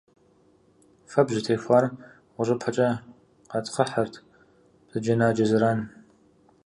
Фэбжь зытехуар гъущӏыпэкӏэ къатхъыхьырт, бзаджэнаджэ зэран.